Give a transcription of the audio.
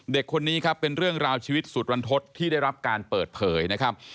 เด็กคนนี้ครับเป็นเรื่องราวชีวิตสุดวันทศที่ได้รับการเปิดเผยนะครับ